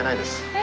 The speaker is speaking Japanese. え？